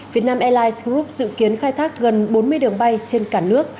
việt nam airlines group dự kiến khai thác gần bốn mươi đường bay trên cả nước